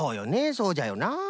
そうじゃよな。